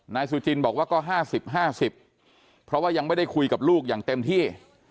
นายสุจินบอกว่าก็๕๐๕๐เพราะว่ายังไม่ได้คุยกับลูกอย่างเต็มที่